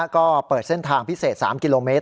ก็เปิดเส้นทางพิเศษ๓กิโลเมตร